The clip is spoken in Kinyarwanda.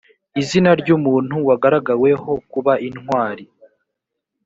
izina ry’umuntu wagaragaweho kuba intwari